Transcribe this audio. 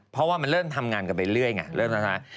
เพราะว่ามันเริ่มทำงานกันไปเรื่อย